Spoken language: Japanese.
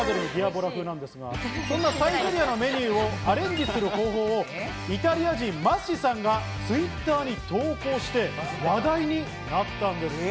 そんなサイゼリヤのメニューをアレンジする方法をイタリア人、マッシさんがＴｗｉｔｔｅｒに投稿して話題になったんです。